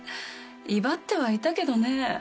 威張ってはいたけどね。